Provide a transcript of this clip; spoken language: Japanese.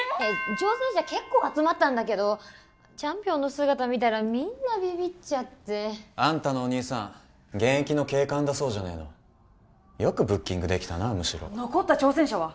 挑戦者結構集まったんだけどチャンピオンの姿見たらみんなビビっちゃってあんたのお兄さん現役の警官だそうじゃねえのよくブッキングできたなむしろ残った挑戦者は？